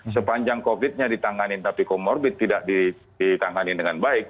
sepanjang covid nya ditanganin tapi comorbid tidak ditangani dengan baik